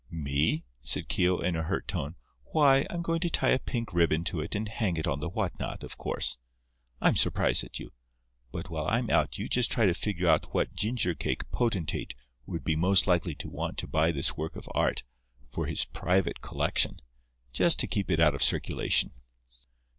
"Me," said Keogh in a hurt tone, "why, I'm going to tie a pink ribbon to it and hang it on the what not, of course. I'm surprised at you. But while I'm out you just try to figure out what ginger cake potentate would be most likely to want to buy this work of art for his private collection—just to keep it out of circulation."